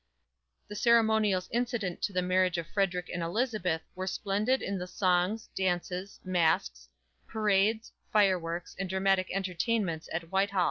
The ceremonials incident to the marriage of Frederick and Elizabeth were splendid in the songs, dances, masques, parades, fireworks, and dramatic entertainments at Whitehall.